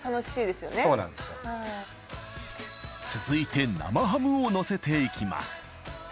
続いて生ハムをのせていきます